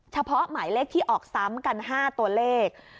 เฉพาะหมายเลขที่ออกซ้ำกัน๕ตัวเลข